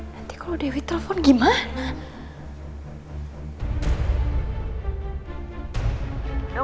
nanti kalau dewi telepon gimana